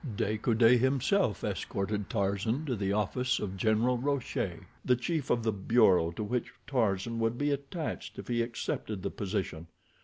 De Coude himself escorted Tarzan to the office of General Rochere, the chief of the bureau to which Tarzan would be attached if he accepted the position.